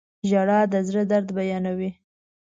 • ژړا د زړه درد بیانوي.